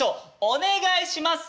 お願いします！